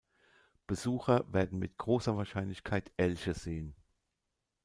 Besucher werden mit großer Wahrscheinlichkeit Elche sehen.